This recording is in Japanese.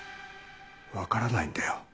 分からないんだよ